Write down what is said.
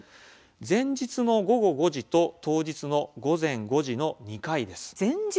前日の午後５時と当日の午前５時の２回です。